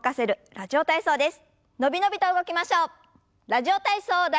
「ラジオ体操第１」。